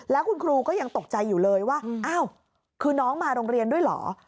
แล้วคุณครูก็ยังตกใจอยู่เลยว่าอ้าวคือน้องมาโรงเรียนด้วยเหรอ